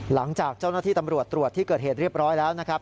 หลังจากเจ้าหน้าที่ตำรวจตรวจที่เกิดเหตุเรียบร้อยแล้วนะครับ